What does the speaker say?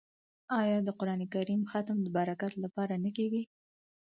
آیا د قران کریم ختم د برکت لپاره نه کیږي؟